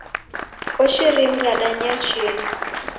Koshi rimu radanyea chienyi.